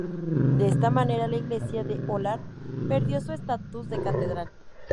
De esta manera la iglesia de Hólar perdió su estatus de catedral.